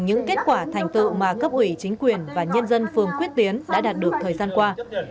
những kết quả thành tựu mà cấp ủy chính quyền và nhân dân phường quyết tiến đã đạt được thời gian qua